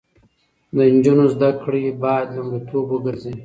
د نجونو زده کړې باید لومړیتوب وګرځي.